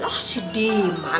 nggak sih dima